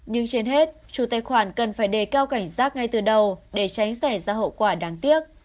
nhưng trên hết chủ tài khoản cần phải đề cao cảnh giác ngay từ đầu để tránh xảy ra hậu quả đáng tiếc